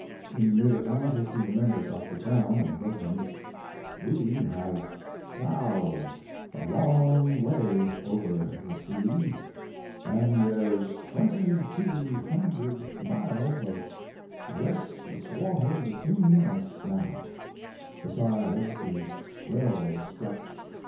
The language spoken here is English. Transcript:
In mid Atlantic he remembered Dr. Brown, and wrote him: We have plowed a long way over the sea, and there's twenty two hundred miles of restless water between us now, besides the railway stretch.